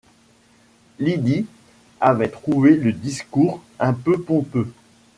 Lydie avait trouvé le discours un peu pompeux.